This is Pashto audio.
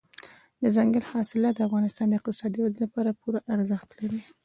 دځنګل حاصلات د افغانستان د اقتصادي ودې لپاره پوره ارزښت لري.